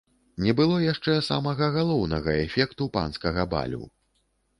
Не было яшчэ самага галоўнага эфекту панскага балю.